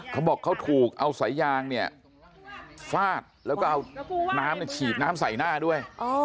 เขาบอกเขาถูกเอาสายยางเนี่ยฟาดแล้วก็เอาน้ำฉีดน้ำใส่หน้าด้วย